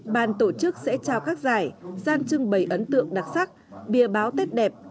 ban tổ chức sẽ trao các giải gian trưng bày ấn tượng đặc sắc bia báo tết đẹp